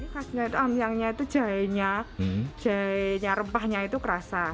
kacang dan ampiang adalah jahe rempahnya terasa